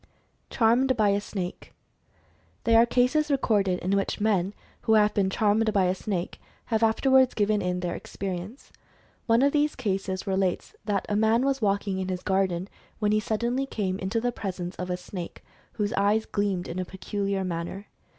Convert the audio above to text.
CHARMED BY A SNAKE. There are cases recorded in which men who have been "charmed" by a snake, have afterwards given in their experience. One of these cases relates that the man was walking in his garden when he suddenly came into the presence of a snake whose eyes gleamed in a peculiar manner.